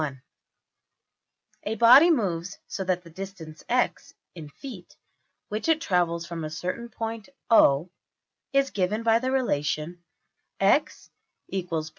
(1) A body moves so that the distance~$x$ (in feet), which it travels from a certain point~$O$, is given by the relation $x = 0.